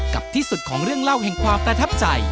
กับที่สุดของเรื่องเล่าแห่งความประทับใจ